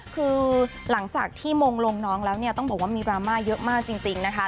คือหลังจากที่มงลงน้องแล้วเนี่ยต้องบอกว่ามีดราม่าเยอะมากจริงนะคะ